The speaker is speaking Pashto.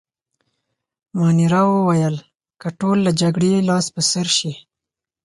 مانیرا وویل: که ټول له جګړې لاس په سر شي.